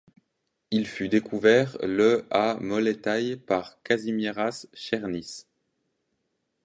Il fut découvert le à Moletai par Kazimieras Černis.